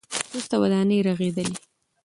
وروسته ودانۍ رغېدلې.